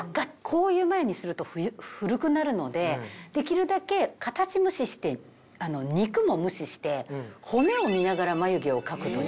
こういう眉にすると古くなるのでできるだけ形無視して肉も無視して骨を見ながら眉毛を描くと。